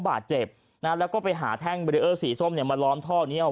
บาดเจ็บนะแล้วก็ไปหาแท่งเบรีเออร์สีส้มเนี่ยมาล้อมท่อนี้เอา